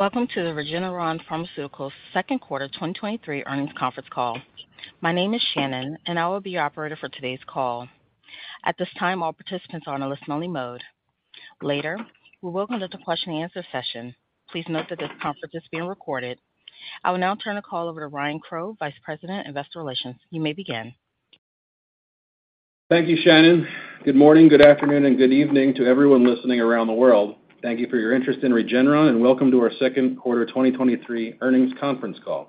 Welcome to the Regeneron Pharmaceuticals Second Quarter 2023 Earnings Conference Call. My name is Shannon, and I will be your operator for today's call. At this time, all participants are on a listen-only mode. Later, we will come to the question-and-answer session. Please note that this conference is being recorded. I will now turn the call over to Ryan Crowe, Vice President, Investor Relations. You may begin. Thank you, Shannon. Good morning, good afternoon, and good evening to everyone listening around the world. Thank you for your interest in Regeneron. Welcome to our second quarter 2023 earnings conference call.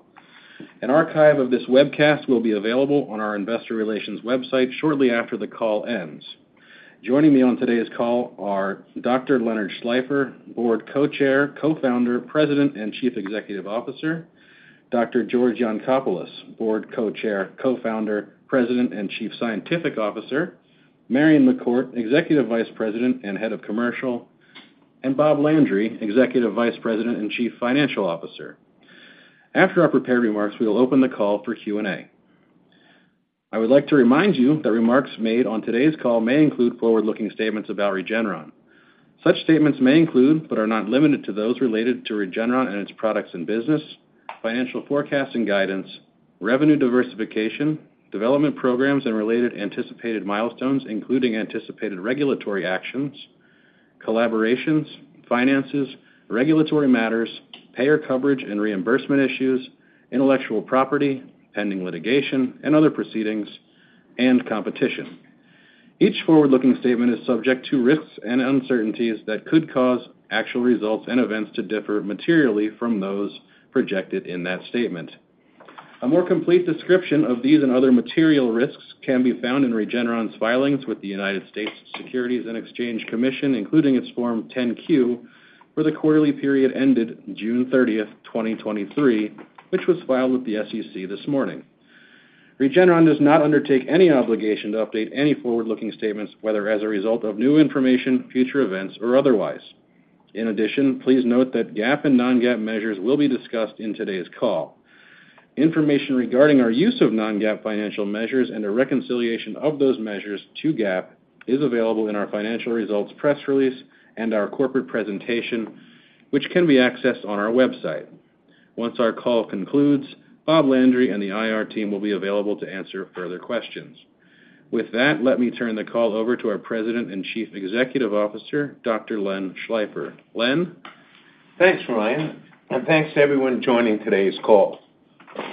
An archive of this webcast will be available on our investor relations website shortly after the call ends. Joining me on today's call are Dr. Leonard Schleifer, Board Co-Chair, Co-Founder, President, and Chief Executive Officer, Dr. George Yancopoulos, Board Co-Chair, Co-Founder, President, and Chief Scientific Officer, Marion McCourt, Executive Vice President and Head of Commercial, and Robert Landry, Executive Vice President and Chief Financial Officer. After our prepared remarks, we will open the call for Q&A. I would like to remind you that remarks made on today's call may include forward-looking statements about Regeneron. Such statements may include, but are not limited to, those related to Regeneron and its products and business, financial forecasting, guidance, revenue diversification, development programs, and related anticipated milestones, including anticipated regulatory actions, collaborations, finances, regulatory matters, payer coverage and reimbursement issues, intellectual property, pending litigation and other proceedings, and competition. Each forward-looking statement is subject to risks and uncertainties that could cause actual results and events to differ materially from those projected in that statement. A more complete description of these and other material risks can be found in Regeneron's filings with the United States Securities and Exchange Commission, including its Form 10-Q for the quarterly period ended June 30, 2023, which was filed with the SEC this morning. Regeneron does not undertake any obligation to update any forward-looking statements, whether as a result of new information, future events, or otherwise. In addition, please note that GAAP and non-GAAP measures will be discussed in today's call. Information regarding our use of non-GAAP financial measures and a reconciliation of those measures to GAAP is available in our financial results press release and our corporate presentation, which can be accessed on our website. Once our call concludes, Bob Landry and the IR team will be available to answer further questions. With that, let me turn the call over to our President and Chief Executive Officer, Dr. Len Schleifer. Len? Thanks, Ryan. Thanks to everyone joining today's call.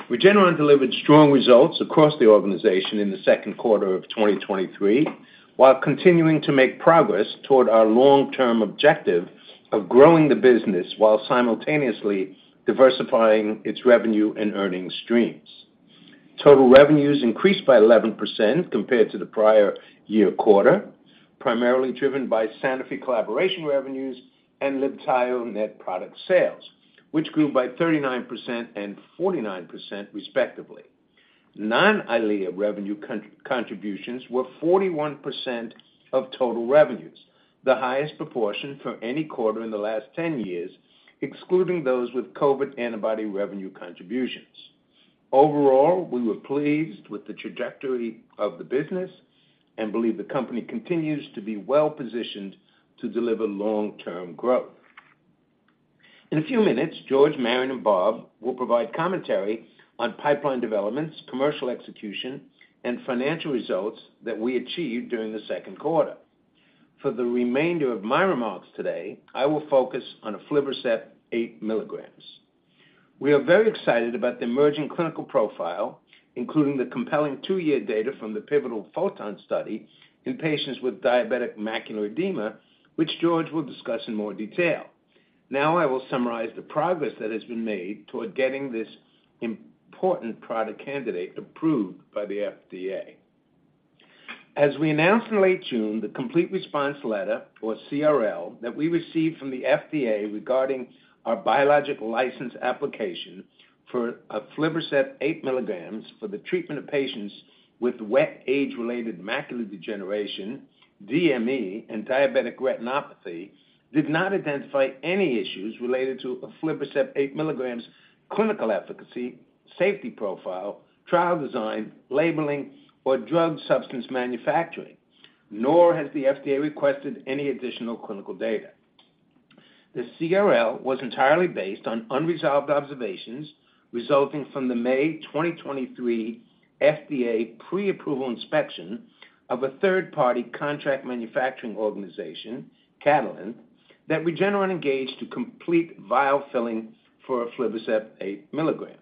Regeneron delivered strong results across the organization in the second quarter of 2023, while continuing to make progress toward our long-term objective of growing the business while simultaneously diversifying its revenue and earnings streams. Total revenues increased by 11% compared to the prior year quarter, primarily driven by Sanofi collaboration revenues and Libtayo net product sales, which grew by 39% and 49%, respectively. Non-Eylea revenue contributions were 41% of total revenues, the highest proportion for any quarter in the last 10 years, excluding those with COVID antibody revenue contributions. We were pleased with the trajectory of the business and believe the company continues to be well-positioned to deliver long-term growth. In a few minutes, George, Marion, and Bob will provide commentary on pipeline developments, commercial execution, and financial results that we achieved during the second quarter. For the remainder of my remarks today, I will focus on aflibercept 8 milligrams. We are very excited about the emerging clinical profile, including the compelling two-year data from the pivotal PHOTON study in patients with diabetic macular edema, which George will discuss in more detail. Now I will summarize the progress that has been made toward getting this important product candidate approved by the FDA. As we announced in late June, the complete response letter, or CRL, that we received from the FDA regarding our biological license application for aflibercept 8 milligrams for the treatment of patients with wet age-related macular degeneration, DME, and diabetic retinopathy, did not identify any issues related to aflibercept 8 milligrams clinical efficacy, safety profile, trial design, labeling, or drug substance manufacturing. Nor has the FDA requested any additional clinical data. The CRL was entirely based on unresolved observations resulting from the May 2023 FDA pre-approval inspection of a third-party contract manufacturing organization, Catalent, that we generally engage to complete vial filling for aflibercept 8 milligrams.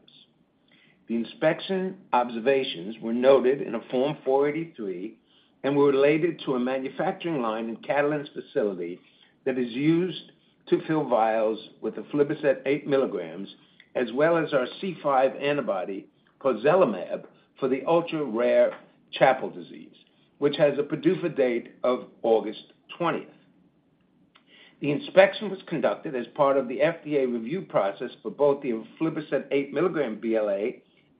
The inspection observations were noted in a Form 483 and were related to a manufacturing line in Catalent's facility that is used to fill vials with aflibercept 8 milligrams, as well as our C5 antibody, pozelimab, for the ultra-rare CHAPLE disease, which has a PDUFA date of August 20th. The inspection was conducted as part of the FDA review process for both the aflibercept 8 milligram BLA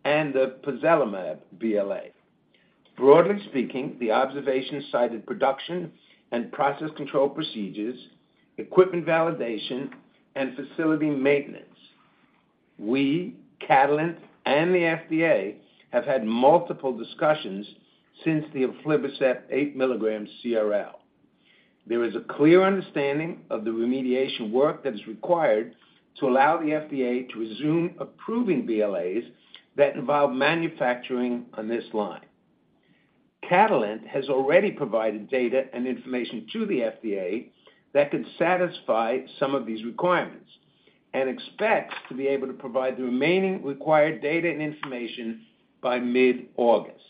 and the pozelimab BLA. Broadly speaking, the observation cited production and process control procedures, equipment validation, and facility maintenance.... We, Catalent, and the FDA have had multiple discussions since the aflibercept 8 milligram CRL. There is a clear understanding of the remediation work that is required to allow the FDA to resume approving BLAs that involve manufacturing on this line. Catalent has already provided data and information to the FDA that could satisfy some of these requirements, expects to be able to provide the remaining required data and information by mid-August.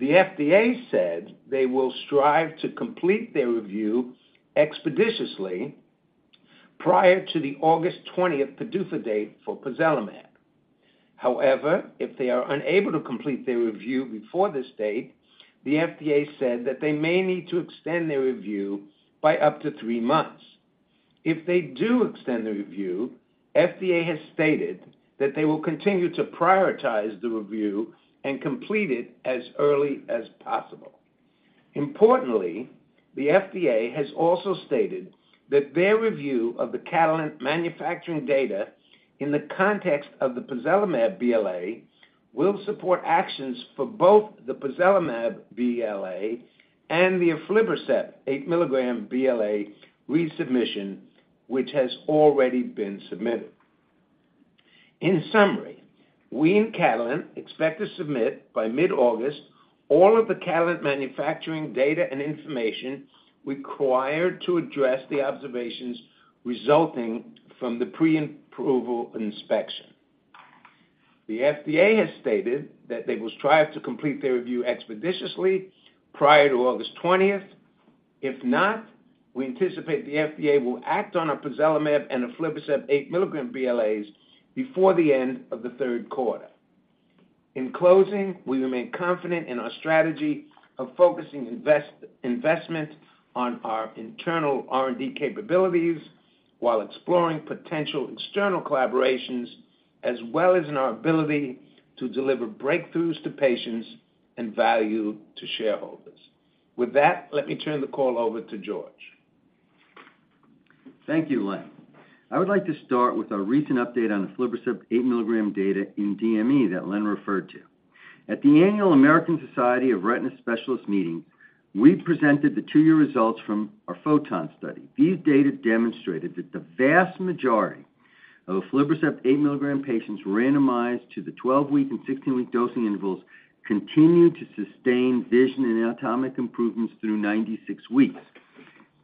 The FDA said they will strive to complete their review expeditiously prior to the August 20th PDUFA date for pozelimab. However, if they are unable to complete their review before this date, the FDA said that they may need to extend their review by up to 3 months. If they do extend the review, FDA has stated that they will continue to prioritize the review and complete it as early as possible. Importantly, the FDA has also stated that their review of the Catalent manufacturing data in the context of the pozelimab BLA will support actions for both the pozelimab BLA and the aflibercept 8 milligram BLA resubmission, which has already been submitted. In summary, we and Catalent expect to submit by mid-August all of the Catalent manufacturing data and information required to address the observations resulting from the pre-approval inspection. The FDA has stated that they will strive to complete their review expeditiously prior to August twentieth. If not, we anticipate the FDA will act on a pozelimab and aflibercept 8 milligram BLAs before the end of the third quarter. In closing, we remain confident in our strategy of focusing investment on our internal R&D capabilities while exploring potential external collaborations, as well as in our ability to deliver breakthroughs to patients and value to shareholders. With that, let me turn the call over to George. Thank you, Len. I would like to start with a recent update on aflibercept 8 milligrams data in DME that Len referred to. At the annual American Society of Retina Specialists meeting, we presented the 2-year results from our PHOTON study. These data demonstrated that the vast majority of aflibercept 8 milligrams patients randomized to the 12-week and 16-week dosing intervals continued to sustain vision and anatomic improvements through 96 weeks.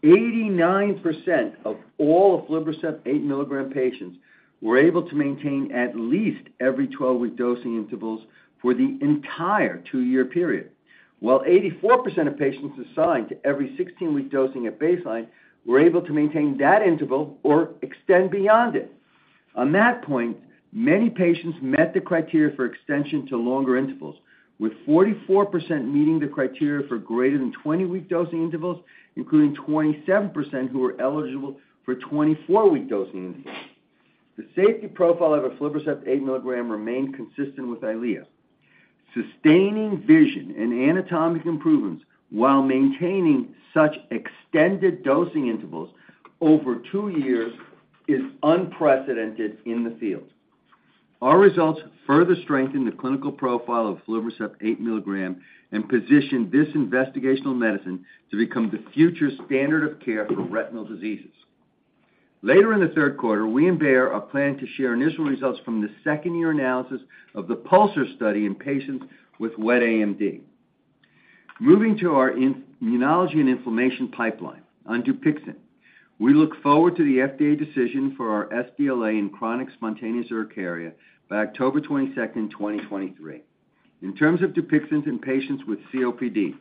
89% of all aflibercept 8 milligrams patients were able to maintain at least every 12-week dosing intervals for the entire 2-year period, while 84% of patients assigned to every 16-week dosing at baseline were able to maintain that interval or extend beyond it. On that point, many patients met the criteria for extension to longer intervals, with 44% meeting the criteria for greater than 20-week dosing intervals, including 27% who were eligible for 24-week dosing intervals. The safety profile of aflibercept 8 milligrams remained consistent with Eylea. Sustaining vision and anatomic improvements while maintaining such extended dosing intervals over two years is unprecedented in the field. Our results further strengthen the clinical profile of aflibercept 8 milligrams and position this investigational medicine to become the future standard of care for retinal diseases. Later in the third quarter, we and Bayer are planning to share initial results from the second-year analysis of the PULSAR study in patients with wet AMD. Moving to our immunology and inflammation pipeline. On Dupixent, we look forward to the FDA decision for our sBLA in chronic spontaneous urticaria by October 22, 2023. In terms of Dupixent in patients with COPD,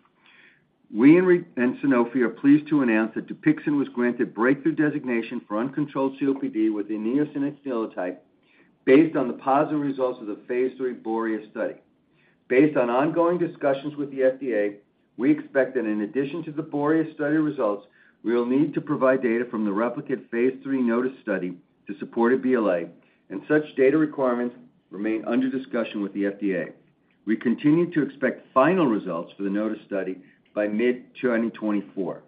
we and Sanofi are pleased to announce that Dupixent was granted Breakthrough designation for uncontrolled COPD with eosinophilic phenotype based on the positive results of the phase 3 BOREAS study. Based on ongoing discussions with the FDA, we expect that in addition to the BOREAS study results, we will need to provide data from the replicate phase 3 NOTUS study to support a BLA, and such data requirements remain under discussion with the FDA. We continue to expect final results for the NOTUS study by mid-2024.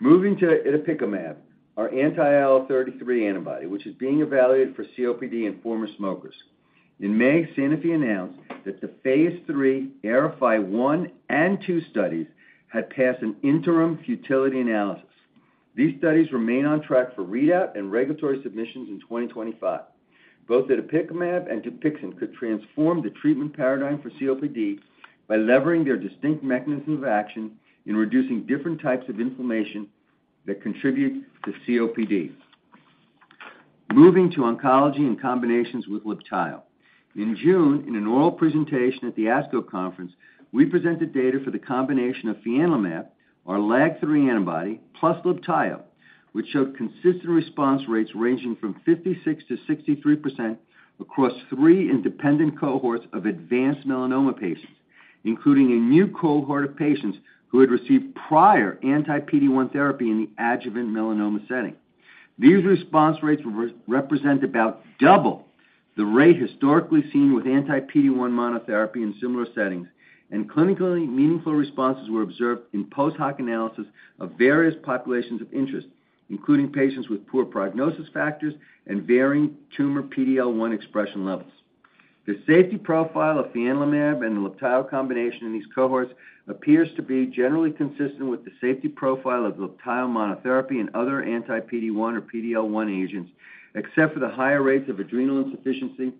Moving to itepekimab, our anti-IL-33 antibody, which is being evaluated for COPD in former smokers. In May, Sanofi announced that the phase 3 AERIFY 1 and 2 studies had passed an interim futility analysis. These studies remain on track for readout and regulatory submissions in 2025. Both itepekimab and Dupixent could transform the treatment paradigm for COPD by leveraging their distinct mechanism of action in reducing different types of inflammation that contribute to COPD. Moving to oncology and combinations with Libtayo. In June, in an oral presentation at the ASCO conference, we presented data for the combination of fianlimab, our LAG-3 antibody, plus Libtayo, which showed consistent response rates ranging from 56%-63% across three independent cohorts of advanced melanoma patients, including a new cohort of patients who had received prior anti-PD-1 therapy in the adjuvant melanoma setting. These response rates represent about The rate historically seen with anti-PD-1 monotherapy in similar settings and clinically meaningful responses were observed in post-hoc analysis of various populations of interest, including patients with poor prognosis factors and varying tumor PD-L1 expression levels. The safety profile of fianlimab and the Libtayo combination in these cohorts appears to be generally consistent with the safety profile of Libtayo monotherapy and other anti-PD-1 or PD-L1 agents, except for the higher rates of adrenal insufficiency,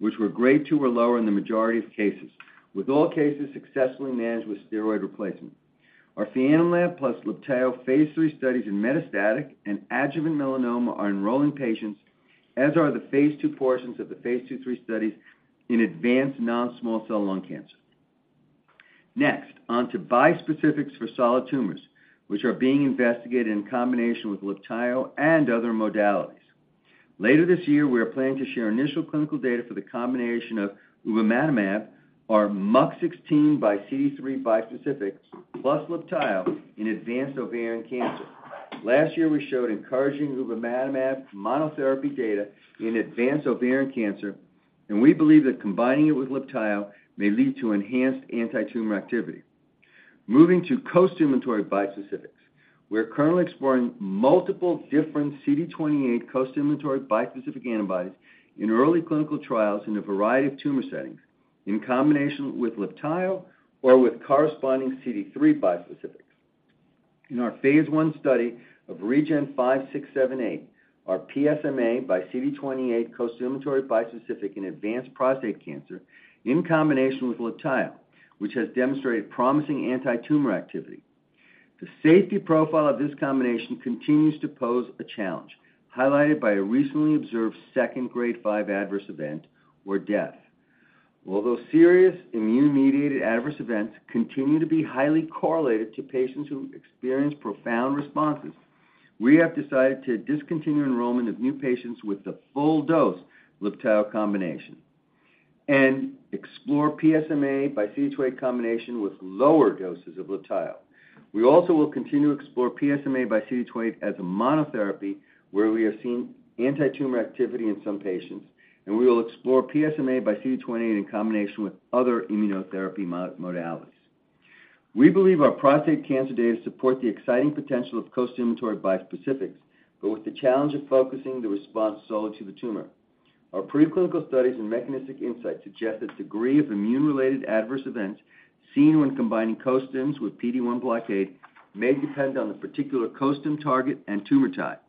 which were grade 2 or lower in the majority of cases, with all cases successfully managed with steroid replacement. Our fianlimab plus Libtayo phase 3 studies in metastatic and adjuvant melanoma are enrolling patients, as are the phase 2 portions of the phase 2/3 studies in advanced non-small cell lung cancer. Next, on to bispecifics for solid tumors, which are being investigated in combination with Libtayo and other modalities. Later this year, we are planning to share initial clinical data for the combination of ubamatamab, our MUC16 by CD3 bispecific, plus Libtayo in advanced ovarian cancer. Last year, we showed encouraging ubamatamab monotherapy data in advanced ovarian cancer. We believe that combining it with Libtayo may lead to enhanced antitumor activity. Moving to costimulatory bispecifics. We're currently exploring multiple different CD28 costimulatory bispecific antibodies in early clinical trials in a variety of tumor settings, in combination with Libtayo or with corresponding CD3 bispecifics. In our phase I study of REGN5678, our PSMA by CD28 costimulatory bispecific in advanced prostate cancer in combination with Libtayo, which has demonstrated promising antitumor activity. The safety profile of this combination continues to pose a challenge, highlighted by a recently observed second grade 5 adverse event or death. Although serious immune-mediated adverse events continue to be highly correlated to patients who experience profound responses, we have decided to discontinue enrollment of new patients with the full dose Libtayo combination and explore PSMAxCD28 combination with lower doses of Libtayo. We also will continue to explore PSMAxCD28 as a monotherapy, where we have seen antitumor activity in some patients, and we will explore PSMAxCD28 in combination with other immunotherapy modalities. We believe our prostate cancer data support the exciting potential of costimulatory bispecifics, but with the challenge of focusing the response solely to the tumor. Our preclinical studies and mechanistic insight suggest that degree of immune-related adverse events seen when combining costims with PD-1 blockade may depend on the particular costim target and tumor type.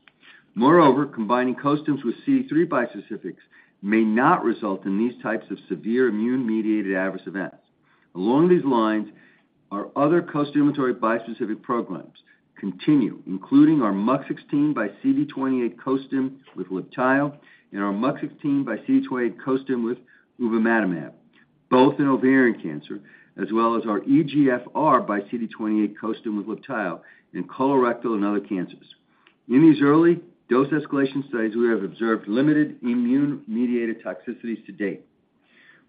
Moreover, combining costims with CD3 bispecifics may not result in these types of severe immune-mediated adverse events. Along these lines, our other costimulatory bispecific programs continue, including our MUC16xCD28 costim with Libtayo and our MUC16xCD28 costim with ubamatamab, both in ovarian cancer, as well as our EGFRxCD28 costim with Libtayo in colorectal and other cancers. In these early dose escalation studies, we have observed limited immune-mediated toxicities to date.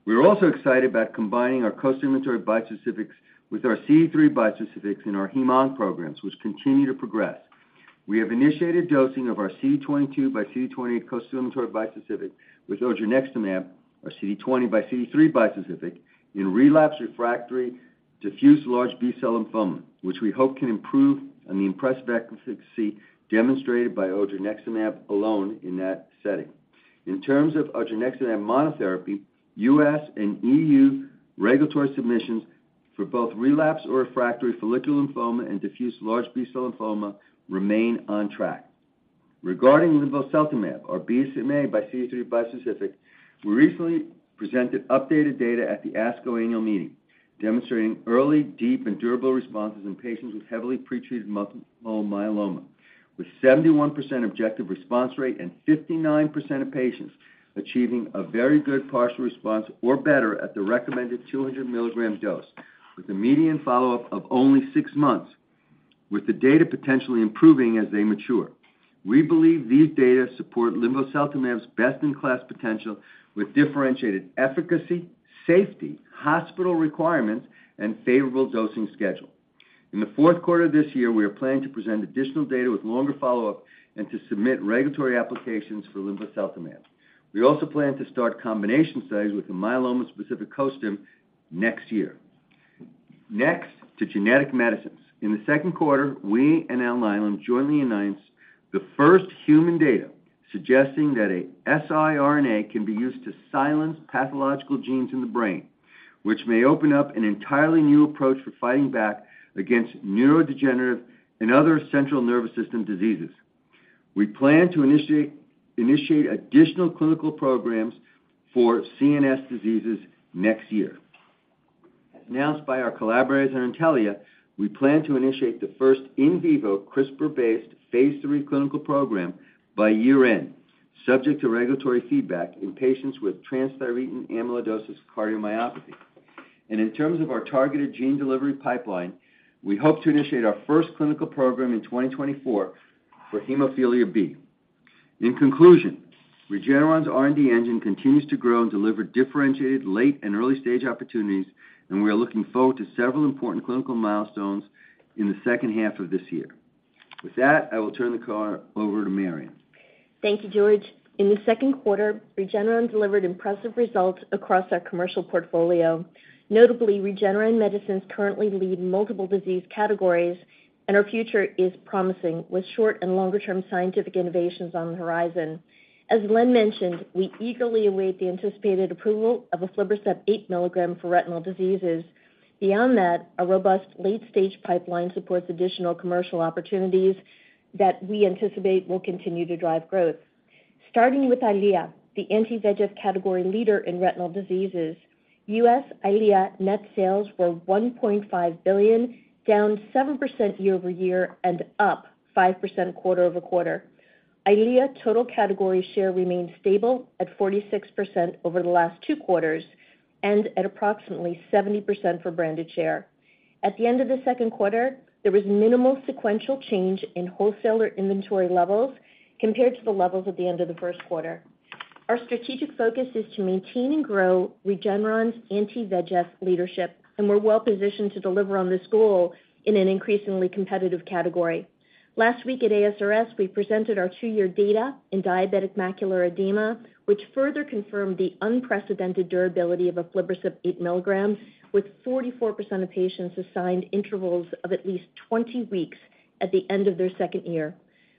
We are also excited about combining our costimulatory bispecifics with our CD3 bispecifics in our hem-onc programs, which continue to progress. We have initiated dosing of our CD22xCD28 costimulatory bispecific with odronextamab, our CD20xCD3 bispecific in relapsed refractory diffuse large B-cell lymphoma, which we hope can improve on the impressive efficacy demonstrated by odronextamab alone in that setting. In terms of odronextamab monotherapy, U.S. and EU regulatory submissions for both relapse or refractory follicular lymphoma and diffuse large B-cell lymphoma remain on track. Regarding linvoseltamab, our BCMA by CD3 bispecific, we recently presented updated data at the ASCO annual meeting, demonstrating early, deep, and durable responses in patients with heavily pretreated multiple myeloma, with 71% objective response rate and 59% of patients achieving a very good partial response or better at the recommended 200 milligram dose, with a median follow-up of only 6 months, with the data potentially improving as they mature. We believe these data support linvoseltamab's best-in-class potential with differentiated efficacy, safety, hospital requirements, and favorable dosing schedule. In the fourth quarter of this year, we are planning to present additional data with longer follow-up and to submit regulatory applications for linvoseltamab. We also plan to start combination studies with the myeloma-specific co-stim next year. Next, to genetic medicines. In the second quarter, we and Alnylam jointly announced the first human data suggesting that a siRNA can be used to silence pathological genes in the brain, which may open up an entirely new approach for fighting back against neurodegenerative and other central nervous system diseases. We plan to initiate additional clinical programs for CNS diseases next year. As announced by our collaborators at Intellia, we plan to initiate the first in vivo CRISPR-based Phase 3 clinical program by year-end, subject to regulatory feedback in patients with transthyretin amyloid cardiomyopathy. In terms of our targeted gene delivery pipeline, we hope to initiate our first clinical program in 2024 for hemophilia B. In conclusion, Regeneron's R&D engine continues to grow and deliver differentiated late and early-stage opportunities, and we are looking forward to several important clinical milestones in the second half of this year. With that, I will turn the call over to Marion. Thank you, George. In the second quarter, Regeneron delivered impressive results across our commercial portfolio. Notably, Regeneron medicines currently lead multiple disease categories. Our future is promising, with short and longer-term scientific innovations on the horizon. As Len mentioned, we eagerly await the anticipated approval of aflibercept 8 mg for retinal diseases. Beyond that, our robust late-stage pipeline supports additional commercial opportunities that we anticipate will continue to drive growth. Starting with EYLEA, the anti-VEGF category leader in retinal diseases, U.S. EYLEA net sales were $1.5 billion, down 7% year-over-year and up 5% quarter-over-quarter. EYLEA total category share remained stable at 46% over the last two quarters and at approximately 70% for branded share. At the end of the second quarter, there was minimal sequential change in wholesaler inventory levels compared to the levels at the end of the first quarter. Our strategic focus is to maintain and grow Regeneron's anti-VEGF leadership, and we're well positioned to deliver on this goal in an increasingly competitive category. Last week at ASRS, we presented our two-year data in diabetic macular edema, which further confirmed the unprecedented durability of aflibercept 8 mg, with 44% of patients assigned intervals of at least 20 weeks at the end of their second year.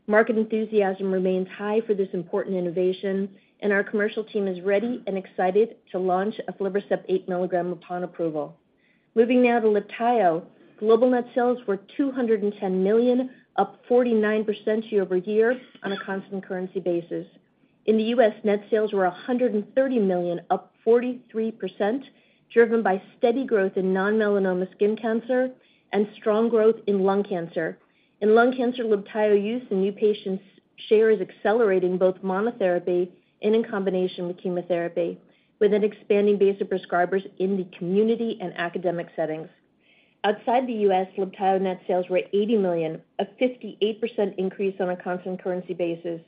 Market enthusiasm remains high for this important innovation, and our commercial team is ready and excited to launch aflibercept 8 milligram upon approval. Moving now to Libtayo. Global net sales were $210 million, up 49% year-over-year on a constant currency basis. In the US, net sales were $130 million, up 43%, driven by steady growth in non-melanoma skin cancer and strong growth in lung cancer. In lung cancer, Libtayo use in new patients' share is accelerating, both monotherapy and in combination with chemotherapy, with an expanding base of prescribers in the community and academic settings. Outside the US, Libtayo net sales were $80 million, a 58% increase on a constant currency basis.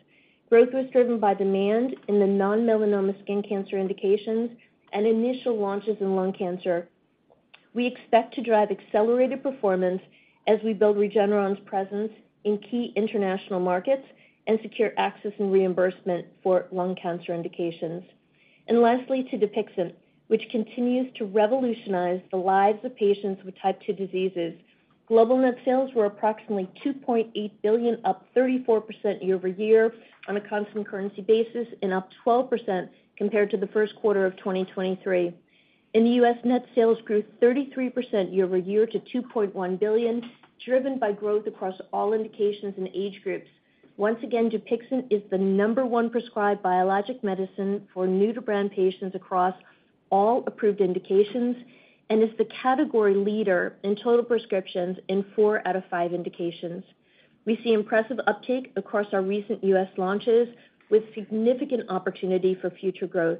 Growth was driven by demand in the non-melanoma skin cancer indications and initial launches in lung cancer. We expect to drive accelerated performance as we build Regeneron's presence in key international markets and secure access and reimbursement for lung cancer indications. Lastly, to Dupixent, which continues to revolutionize the lives of patients with type 2 diseases. Global net sales were approximately $2.8 billion, up 34% year-over-year on a constant currency basis and up 12% compared to the first quarter of 2023. In the U.S., net sales grew 33% year-over-year to $2.1 billion, driven by growth across all indications and age groups. Once again, Dupixent is the number one prescribed biologic medicine for new-to-brand patients across all approved indications and is the category leader in total prescriptions in four out of five indications. We see impressive uptake across our recent U.S. launches, with significant opportunity for future growth.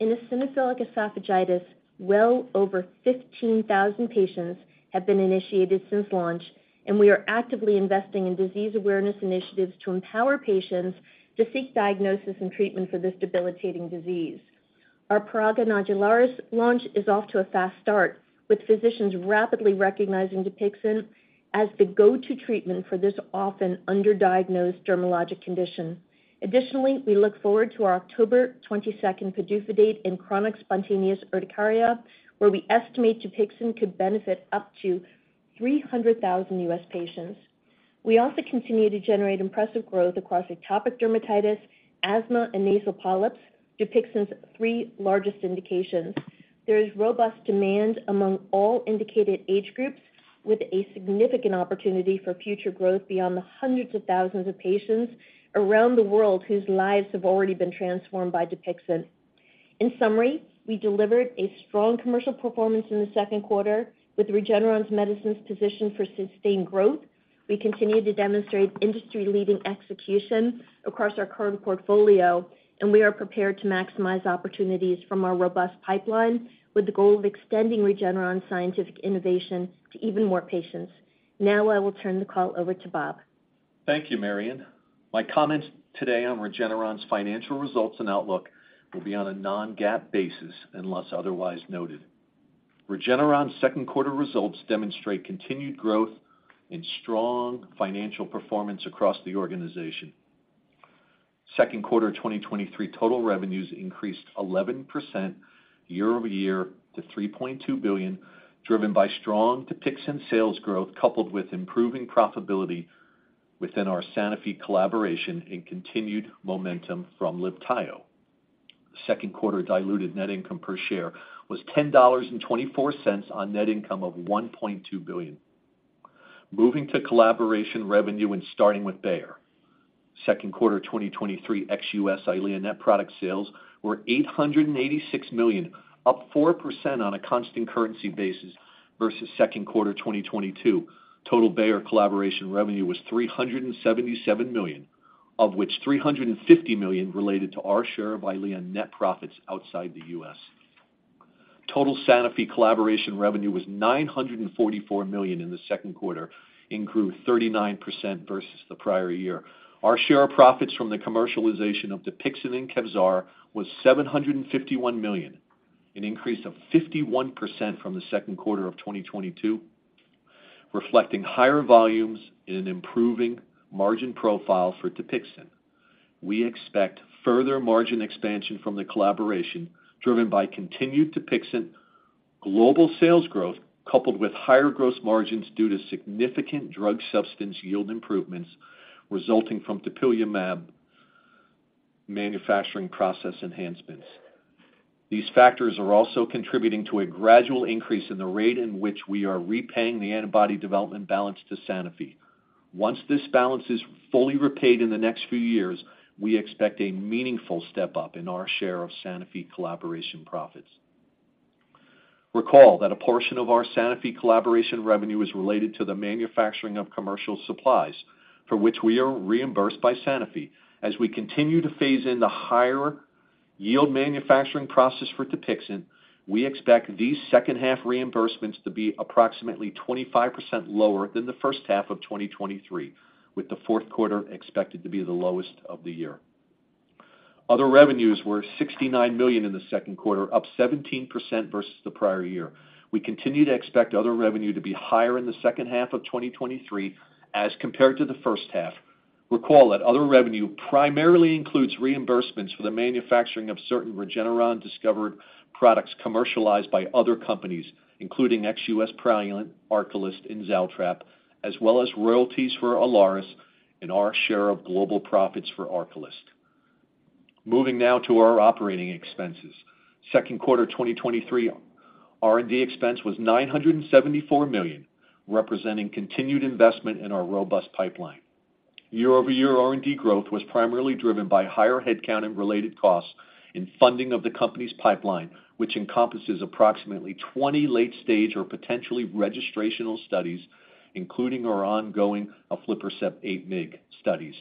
In eosinophilic esophagitis, well over 15,000 patients have been initiated since launch, and we are actively investing in disease awareness initiatives to empower patients to seek diagnosis and treatment for this debilitating disease. Our prurigo nodularis launch is off to a fast start, with physicians rapidly recognizing Dupixent as the go-to treatment for this often underdiagnosed dermatologic condition. Additionally, we look forward to our October 22nd PDUFA date in chronic spontaneous urticaria, where we estimate Dupixent could benefit up to 300,000 U.S. patients. We also continue to generate impressive growth across atopic dermatitis, asthma, and nasal polyps, Dupixent's three largest indications. There is robust demand among all indicated age groups, with a significant opportunity for future growth beyond the hundreds of thousands of patients around the world whose lives have already been transformed by Dupixent. In summary, we delivered a strong commercial performance in the second quarter with Regeneron's medicines positioned for sustained growth. We continue to demonstrate industry-leading execution across our current portfolio. We are prepared to maximize opportunities from our robust pipeline with the goal of extending Regeneron's scientific innovation to even more patients. Now I will turn the call over to Bob. Thank you, Marion. My comments today on Regeneron's financial results and outlook will be on a non-GAAP basis, unless otherwise noted. Regeneron's second quarter results demonstrate continued growth and strong financial performance across the organization. Second quarter 2023 total revenues increased 11% year-over-year to $3.2 billion, driven by strong Dupixent sales growth, coupled with improving profitability within our Sanofi collaboration and continued momentum from Libtayo. Second quarter diluted net income per share was $10.24 on net income of $1.2 billion. Moving to collaboration revenue and starting with Bayer. Second quarter 2023 ex-US Eylea net product sales were $886 million, up 4% on a constant currency basis versus second quarter 2022. Total Bayer collaboration revenue was $377 million, of which $350 million related to our share of EYLEA net profits outside the U.S. Total Sanofi collaboration revenue was $944 million in the second quarter, improved 39% versus the prior year. Our share of profits from the commercialization of Dupixent and Kevzara was $751 million, an increase of 51% from the second quarter of 2022, reflecting higher volumes and improving margin profile for Dupixent. We expect further margin expansion from the collaboration, driven by continued Dupixent global sales growth, coupled with higher gross margins due to significant drug substance yield improvements resulting from dupilumab manufacturing process enhancements. These factors are also contributing to a gradual increase in the rate in which we are repaying the antibody development balance to Sanofi. Once this balance is fully repaid in the next few years, we expect a meaningful step-up in our share of Sanofi collaboration profits. Recall that a portion of our Sanofi collaboration revenue is related to the manufacturing of commercial supplies, for which we are reimbursed by Sanofi. As we continue to phase in the higher yield manufacturing process for Dupixent, we expect these second half reimbursements to be approximately 25% lower than the first half of 2023, with the fourth quarter expected to be the lowest of the year. Other revenues were $69 million in the second quarter, up 17% versus the prior year. We continue to expect other revenue to be higher in the second half of 2023 as compared to the first half. Recall that other revenue primarily includes reimbursements for the manufacturing of certain Regeneron-discovered products commercialized by other companies, including ex-U.S. Praluent, Arcalyst, and Zaltrap, as well as royalties for Alaris and our share of global profits for Arcalyst. Moving now to our operating expenses. Second quarter 2023, R&D expense was $974 million, representing continued investment in our robust pipeline. Year-over-year R&D growth was primarily driven by higher headcount and related costs and funding of the company's pipeline, which encompasses approximately 20 late-stage or potentially registrational studies, including our ongoing aflibercept 8 mg studies,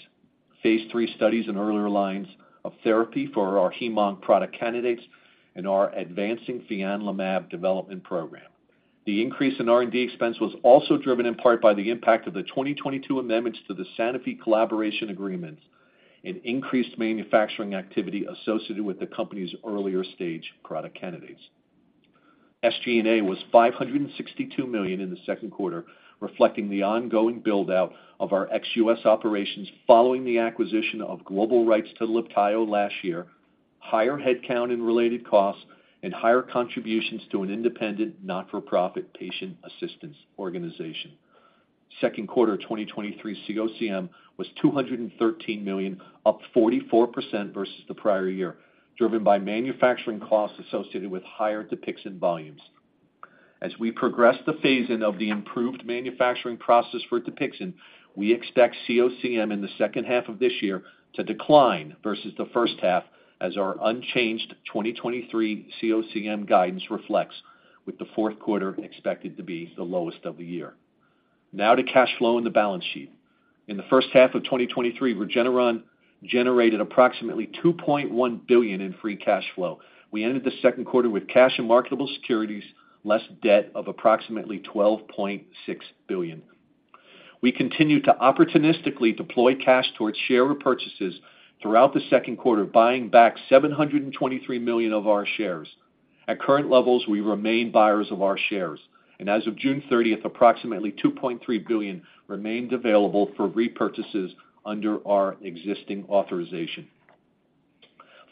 phase 3 studies in earlier lines of therapy for our heme-onc product candidates and our advancing fianlimab development program. The increase in R&D expense was also driven in part by the impact of the 2022 amendments to the Sanofi collaboration agreements and increased manufacturing activity associated with the company's earlier stage product candidates. SG&A was $562 million in the second quarter, reflecting the ongoing build-out of our ex-US operations following the acquisition of global rights to Libtayo last year, higher headcount and related costs, and higher contributions to an independent, not-for-profit patient assistance organization. Second quarter 2023 COCM was $213 million, up 44% versus the prior year, driven by manufacturing costs associated with higher Dupixent volumes. As we progress the phase-in of the improved manufacturing process for Dupixent, we expect COCM in the second half of this year to decline versus the first half, as our unchanged 2023 COCM guidance reflects, with the fourth quarter expected to be the lowest of the year. Now to cash flow and the balance sheet. In the first half of 2023, Regeneron generated approximately $2.1 billion in free cash flow. We ended the second quarter with cash and marketable securities, less debt of approximately $12.6 billion. We continue to opportunistically deploy cash towards share repurchases throughout the second quarter, buying back $723 million of our shares. At current levels, we remain buyers of our shares, and as of June thirtieth, approximately $2.3 billion remained available for repurchases under our existing authorization.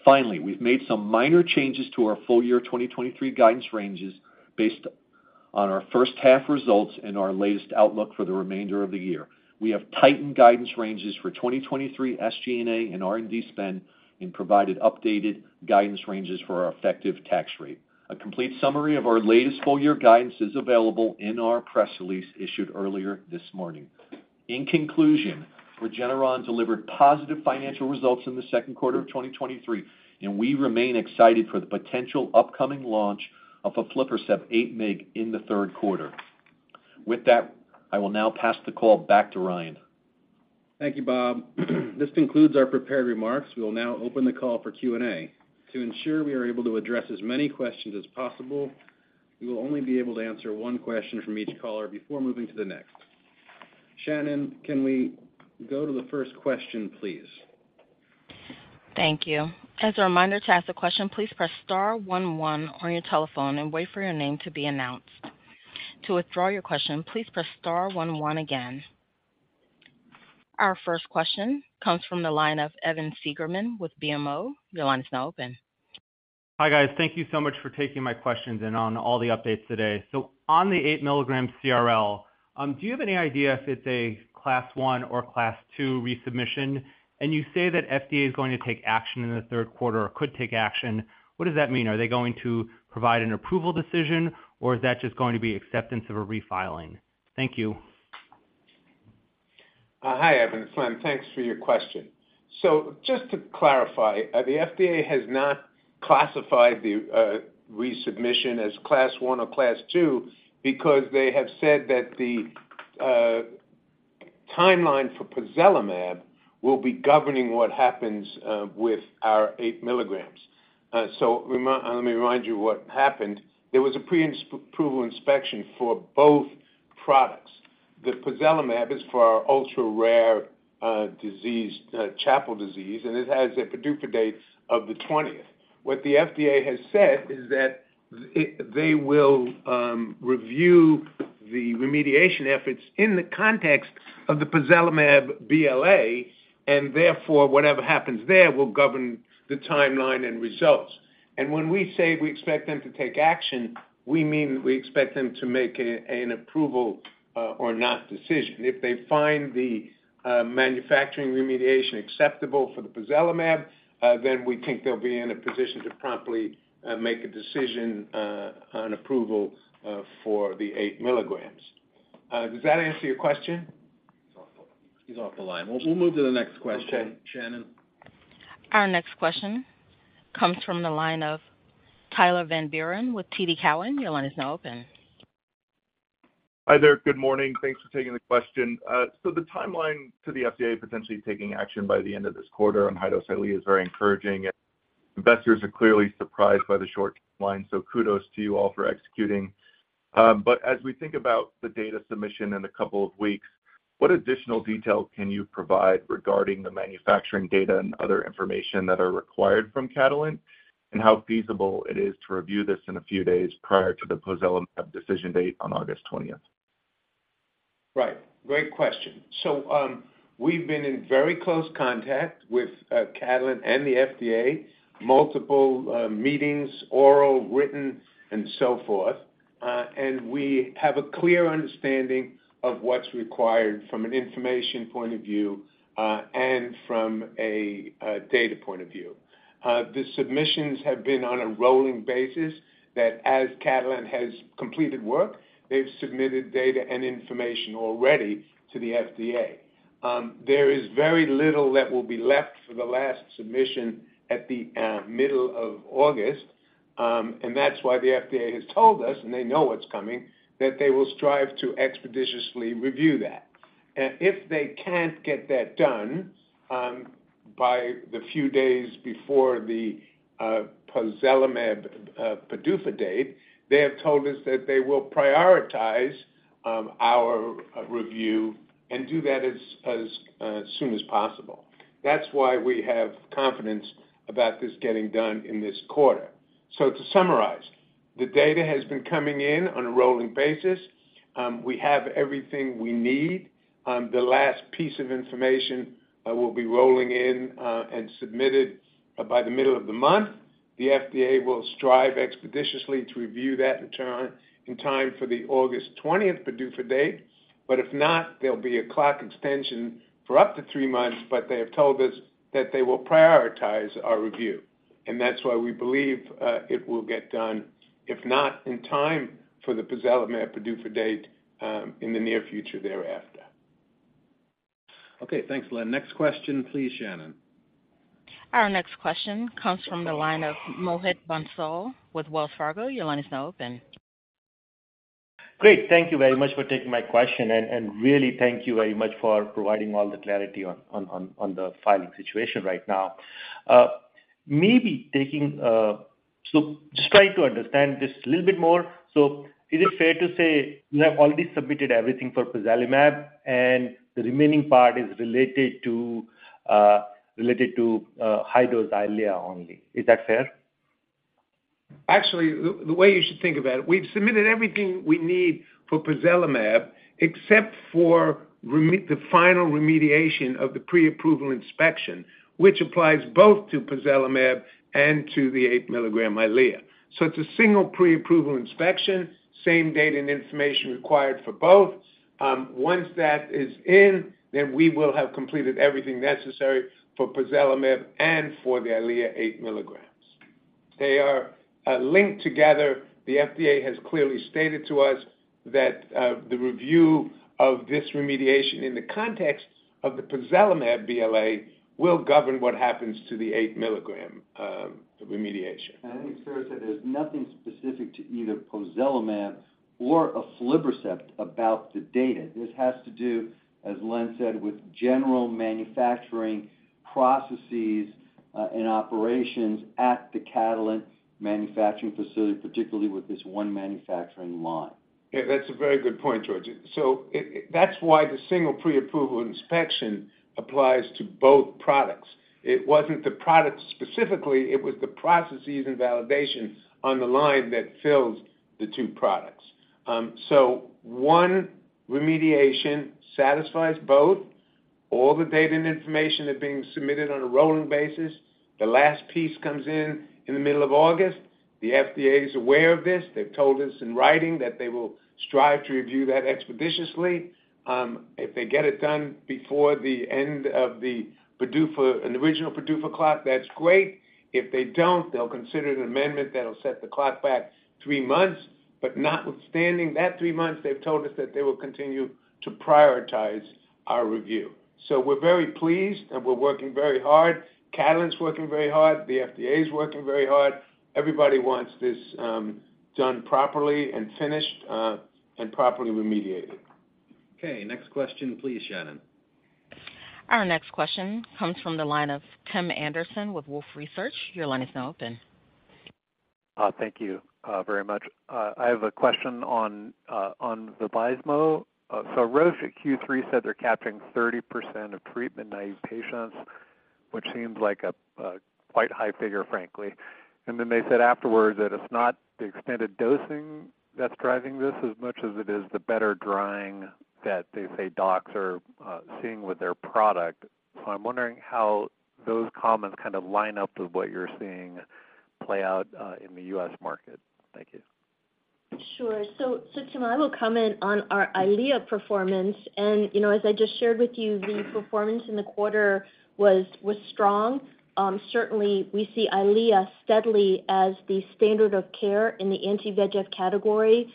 Finally, we've made some minor changes to our full year 2023 guidance ranges based on our first half results and our latest outlook for the remainder of the year. We have tightened guidance ranges for 2023 SG&A and R&D spend and provided updated guidance ranges for our effective tax rate. A complete summary of our latest full year guidance is available in our press release issued earlier this morning. In conclusion, Regeneron delivered positive financial results in the second quarter of 2023, and we remain excited for the potential upcoming launch of aflibercept 8 mg in the third quarter. With that, I will now pass the call back to Ryan. Thank you, Bob. This concludes our prepared remarks. We will now open the call for Q&A. To ensure we are able to address as many questions as possible, we will only be able to answer 1 question from each caller before moving to the next. Shannon, can we go to the first question, please? Thank you. As a reminder, to ask a question, please press star one one on your telephone and wait for your name to be announced. To withdraw your question, please press star one one again. Our first question comes from the line of Evan Seigerman with BMO. Your line is now open. Hi, guys. Thank you so much for taking my questions and on all the updates today. On the 8 mg CRL, do you have any idea if it's a Class 1 or Class 2 resubmission? You say that FDA is going to take action in the third quarter or could take action. What does that mean? Are they going to provide an approval decision or is that just going to be acceptance of a refiling? Thank you. Hi, Evan. It's Len. Thanks for your question. Just to clarify, the FDA has not classified the resubmission as Class 1 or Class 2 because they have said that the timeline for pozelimab will be governing what happens with our 8 milligrams. Let me remind you what happened. There was a preinsp-approval inspection for both products.... the pozelimab is for our ultra-rare disease, CHAPLE disease, and it has a PDUFA date of the 20th. What the FDA has said is that it, they will review the remediation efforts in the context of the pozelimab BLA, and therefore, whatever happens there will govern the timeline and results. When we say we expect them to take action, we mean we expect them to make an approval or not decision. If they find the manufacturing remediation acceptable for the pozelimab, then we think they'll be in a position to promptly make a decision on approval for the 8 milligrams. Does that answer your question? He's off the line. We'll, we'll move to the next question. Okay. Shannon? Our next question comes from the line of Tyler Van Buren with TD Cowen. Your line is now open. Hi there. Good morning. Thanks for taking the question. The timeline to the FDA potentially taking action by the end of this quarter on high-dose EYLEA is very encouraging. Investors are clearly surprised by the short timeline, kudos to you all for executing. As we think about the data submission in 2 weeks, what additional detail can you provide regarding the manufacturing data and other information that are required from Catalent, and how feasible it is to review this in a few days prior to the pozelimab decision date on August 20th? Right. Great question. We've been in very close contact with Catalent and the FDA, multiple meetings, oral, written, and so forth. We have a clear understanding of what's required from an information point of view, and from a data point of view. The submissions have been on a rolling basis, that as Catalent has completed work, they've submitted data and information already to the FDA. There is very little that will be left for the last submission at the middle of August, and that's why the FDA has told us, and they know what's coming, that they will strive to expeditiously review that. If they can't get that done by the few days before the pozelimab PDUFA date, they have told us that they will prioritize our review and do that as, as soon as possible. That's why we have confidence about this getting done in this quarter. To summarize, the data has been coming in on a rolling basis. We have everything we need. The last piece of information will be rolling in and submitted by the middle of the month. The FDA will strive expeditiously to review that in turn, in time for the August 20th PDUFA date. If not, there'll be a clock extension for up to 3 months, but they have told us that they will prioritize our review, and that's why we believe it will get done, if not in time for the pozelimab PDUFA date, in the near future thereafter. Okay, thanks, Len. Next question, please, Shannon. Our next question comes from the line of Mohit Bansal with Wells Fargo. Your line is now open. Great. Thank you very much for taking my question, and, and really thank you very much for providing all the clarity on, on, on, on the filing situation right now. Just trying to understand this a little bit more. Is it fair to say you have already submitted everything for pozelimab, and the remaining part is related to high-dose EYLEA only? Is that fair? Actually, the, the way you should think about it, we've submitted everything we need for pozelimab, except for the final remediation of the pre-approval inspection, which applies both to pozelimab and to the 8-milligram EYLEA. It's a single pre-approval inspection, same data and information required for both. Once that is in, then we will have completed everything necessary for pozelimab and for the EYLEA 8 milligrams. They are linked together. The FDA has clearly stated to us that the review of this remediation in the context of the pozelimab BLA will govern what happens to the 8-milligram remediation. Let me further say, there's nothing specific to either pozelimab or aflibercept about the data. This has to do, as Len said, with general manufacturing processes and operations at the Catalent manufacturing facility, particularly with this one manufacturing line. Yeah, that's a very good point, George. It, that's why the single pre-approval inspection applies to both products. It wasn't the product specifically, it was the processes and validation on the line that fills the two products. One remediation satisfies both. All the data and information are being submitted on a rolling basis. The last piece comes in in the middle of August. The FDA is aware of this. They've told us in writing that they will strive to review that expeditiously. If they get it done before the end of the PDUFA, an original PDUFA clock, that's great. If they don't, they'll consider an amendment that'll set the clock back three months. Notwithstanding that three months, they've told us that they will continue to prioritize our review. We're very pleased, and we're working very hard. Catalent's working very hard. The FDA is working very hard. Everybody wants this, done properly and finished, and properly remediated. Okay, next question, please, Shannon. Our next question comes from the line of Tim Anderson with Wolfe Research. Your line is now open.... thank you, very much. I have a question on, on the Vabysmo. Roche at Q3 said they're capturing 30% of treatment-naive patients, which seems like a, a quite high figure, frankly. Then they said afterwards that it's not the extended dosing that's driving this as much as it is the better drawing that they say docs are, seeing with their product. I'm wondering how those comments kind of line up with what you're seeing play out, in the U.S. market. Thank you. Sure. So Tim, I will comment on our EYLEA performance. You know, as I just shared with you, the performance in the quarter was, was strong. Certainly, we see EYLEA steadily as the standard of care in the anti-VEGF category.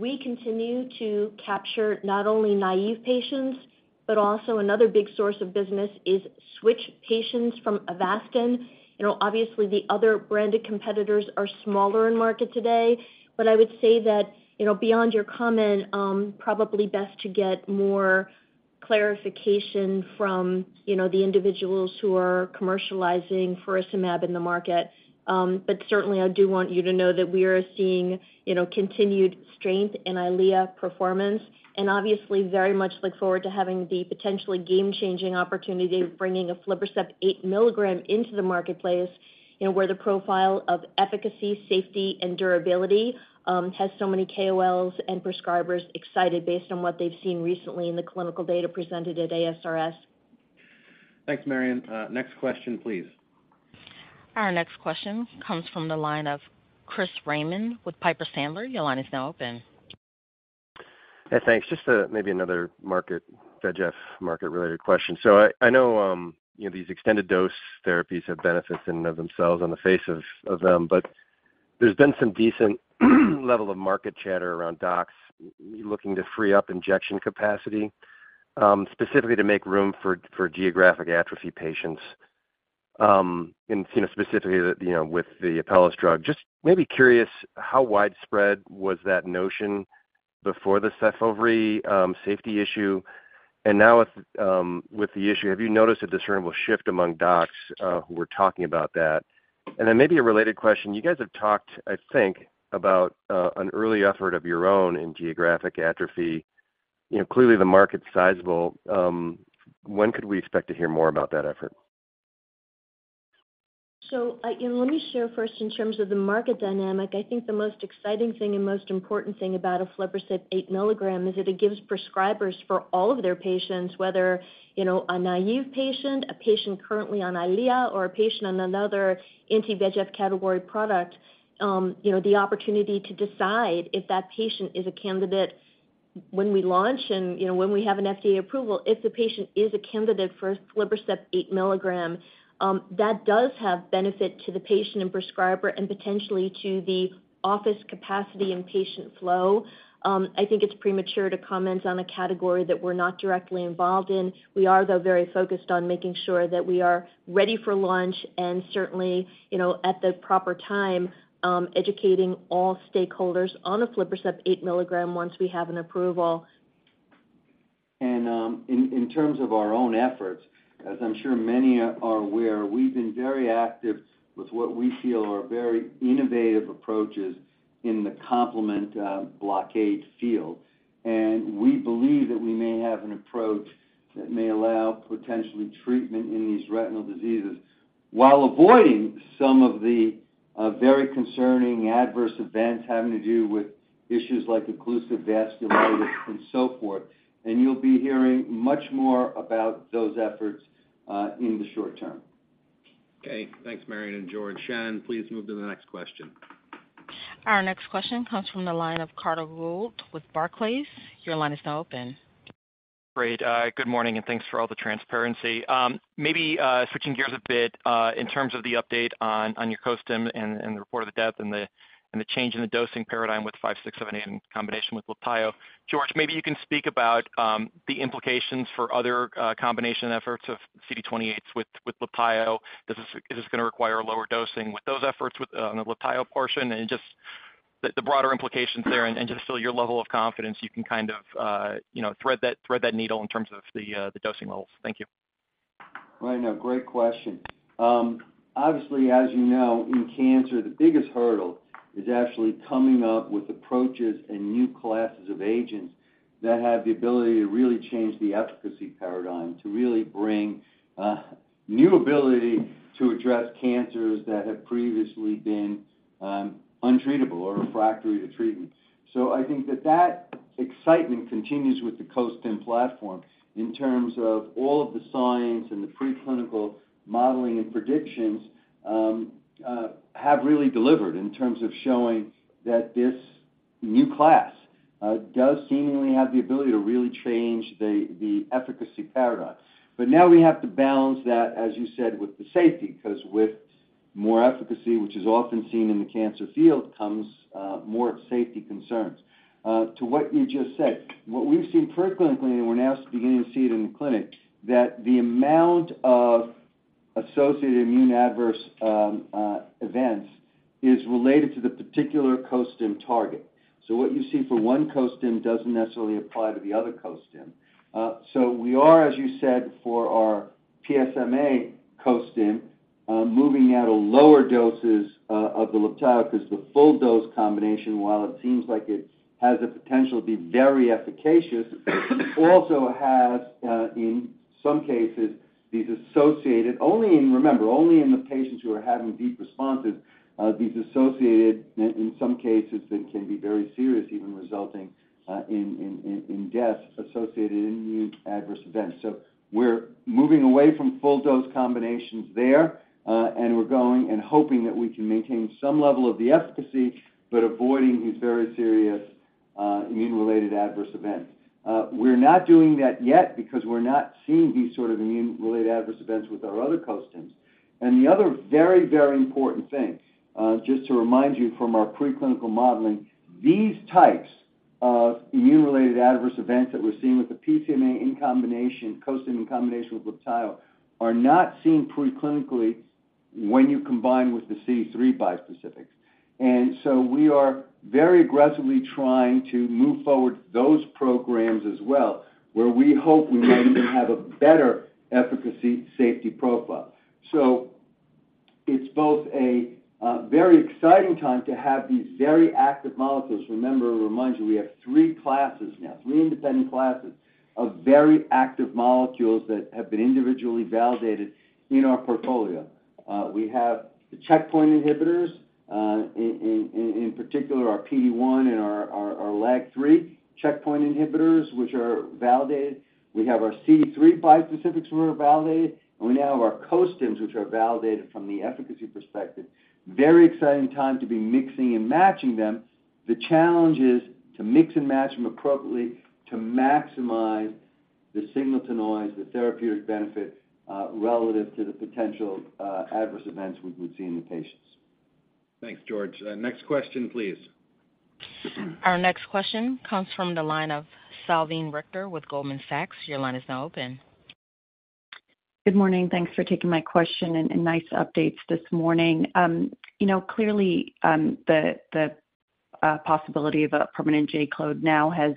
We continue to capture not only naive patients, but also another big source of business is switch patients from Avastin. You know, obviously, the other branded competitors are smaller in market today. I would say that, you know, beyond your comment, probably best to get more clarification from, you know, the individuals who are commercializing for aflibercept in the market. Certainly, I do want you to know that we are seeing, you know, continued strength in EYLEA performance, and obviously, very much look forward to having the potentially game-changing opportunity of bringing aflibercept 8 mg into the marketplace, you know, where the profile of efficacy, safety, and durability, has so many KOLs and prescribers excited based on what they've seen recently in the clinical data presented at ASRS. Thanks, Marion. Next question, please. Our next question comes from the line of Chris Raymond with Piper Sandler. Your line is now open. Yeah, thanks. Just maybe another market, VEGF market-related question. I, I know, you know, these extended dose therapies have benefits in and of themselves on the face of, of them, but there's been some decent level of market chatter around docs looking to free up injection capacity, specifically to make room for, for geographic atrophy patients. You know, specifically, the, you know, with the Apellis drug. Just maybe curious, how widespread was that notion before the Kevzara safety issue? Now with, with the issue, have you noticed a discernible shift among docs who are talking about that? Then maybe a related question, you guys have talked, I think, about an early effort of your own in geographic atrophy. You know, clearly, the market's sizable. When could we expect to hear more about that effort? You know, let me share first in terms of the market dynamic. I think the most exciting thing and most important thing about aflibercept 8 milligrams is that it gives prescribers for all of their patients, whether, you know, a naive patient, a patient currently on EYLEA, or a patient on another anti-VEGF category product, you know, the opportunity to decide if that patient is a candidate when we launch and, you know, when we have an FDA approval, if the patient is a candidate for aflibercept 8 milligrams, that does have benefit to the patient and prescriber and potentially to the office capacity and patient flow. I think it's premature to comment on a category that we're not directly involved in. We are, though, very focused on making sure that we are ready for launch and certainly, you know, at the proper time, educating all stakeholders on aflibercept 8 milligrams once we have an approval. In, in terms of our own efforts, as I'm sure many are aware, we've been very active with what we feel are very innovative approaches in the complement blockade field. We believe that we may have an approach that may allow potentially treatment in these retinal diseases while avoiding some of the very concerning adverse events having to do with issues like occlusive vasculitis and so forth. You'll be hearing much more about those efforts in the short term. Okay. Thanks, Marion and George. Shannon, please move to the next question. Our next question comes from the line of Carter Gould with Barclays. Your line is now open. Great. Good morning, and thanks for all the transparency. maybe switching gears a bit in terms of the update on your co-stim and the report of the death and the change in the dosing paradigm with REGN5678 in combination with Libtayo. George, maybe you can speak about the implications for other combination efforts of CD28s with Libtayo. Is this gonna require a lower dosing with those efforts with on the Libtayo portion, and just the broader implications there, and just so your level of confidence, you can kind of, you know, thread that, thread that needle in terms of the dosing levels. Thank you. Right, now, great question. Obviously, as you know, in cancer, the biggest hurdle is actually coming up with approaches and new classes of agents that have the ability to really change the efficacy paradigm, to really bring new ability to address cancers that have previously been untreatable or refractory to treatment. I think that that excitement continues with the Costim platform in terms of all of the science and the preclinical modeling and predictions have really delivered in terms of showing that this new class does seemingly have the ability to really change the efficacy paradigm. Now we have to balance that, as you said, with the safety, 'cause with more efficacy, which is often seen in the cancer field, comes more safety concerns. To what you just said, what we've seen preclinically, and we're now beginning to see it in the clinic, that the amount of associated immune adverse events is related to the particular co-stim target. What you see for one co-stim doesn't necessarily apply to the other co-stim. We are, as you said, for our-... PSMA co-stim, moving at a lower doses of the Libtayo, because the full dose combination, while it seems like it has the potential to be very efficacious, also has, in some cases, these associated, only in, remember, only in the patients who are having deep responses, these associated, in, in some cases, they can be very serious, even resulting, in, in, in, in deaths associated immune adverse events. We're moving away from full dose combinations there, and we're going and hoping that we can maintain some level of the efficacy, but avoiding these very serious immune-related adverse events. We're not doing that yet because we're not seeing these sort of immune-related adverse events with our other co-stims. The other very, very important thing, just to remind you from our preclinical modeling, these types of immune-related adverse events that we're seeing with the PSMA in combination, co-stim in combination with Libtayo, are not seen preclinically when you combine with the CD3 bispecifics. We are very aggressively trying to move forward those programs as well, where we hope we might even have a better efficacy safety profile. It's both a very exciting time to have these very active molecules. Remember, remind you, we have 3 classes now, 3 independent classes of very active molecules that have been individually validated in our portfolio. We have the checkpoint inhibitors, in particular, our PD-1 and our LAG-3 checkpoint inhibitors, which are validated. We have our CD3 bispecifics, which are validated, and we now have our co-stims, which are validated from the efficacy perspective. Very exciting time to be mixing and matching them. The challenge is to mix and match them appropriately to maximize the signal-to-noise, the therapeutic benefit, relative to the potential adverse events we would see in the patients. Thanks, George. Next question, please. Our next question comes from the line of Salveen Richter with Goldman Sachs. Your line is now open. Good morning. Thanks for taking my question, and nice updates this morning. You know, clearly, the possibility of a permanent J-code now has